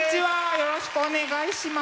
よろしくお願いします。